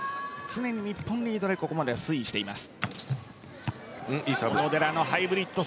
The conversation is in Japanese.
日本リードでここまで推移しています。